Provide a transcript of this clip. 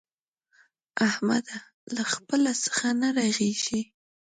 احمده! له خپله څخه نه رغېږي.